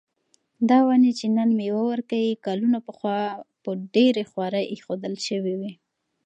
دا ونې چې نن مېوه ورکوي، کلونه پخوا په ډېره خواري ایښودل شوې وې.